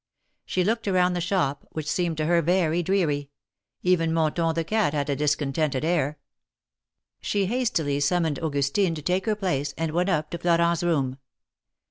She looked around the shop, which seemed to her very dreary; even Mon ton, the cat, had a discontented air. She hastily 274 THE MARKETS OF PARIS. summoned Augustine to take her place, and went up to Florent^s room.